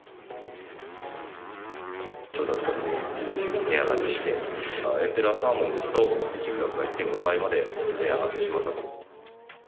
調達額が値上がりして、サーモンですと寄付額が１．５倍まで値上がりしてしまったと。